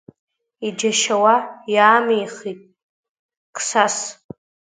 Иџьашьауа иаамихит Қсас.